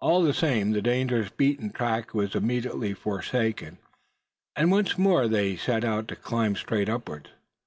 All the same the dangerous beaten track was immediately forsaken, and once more they set out to climb straight upwards.